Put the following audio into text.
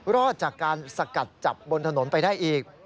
รอดจากการสกัดจับบนถนนไปได้อีก